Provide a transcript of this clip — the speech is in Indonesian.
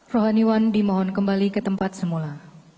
rohaniwan dimohon kembali ke tempat semula